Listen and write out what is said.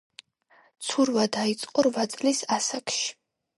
ცურვა დაიწყო რვა წლის ასაკში.